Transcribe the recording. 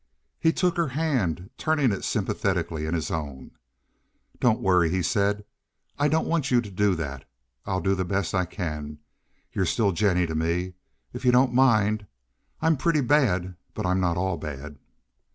He took her hand, turning it sympathetically in his own. "Don't worry," he said. "I don't want you to do that. I'll do the best I can. You're still Jennie to me, if you don't mind. I'm pretty bad, but I'm not all bad."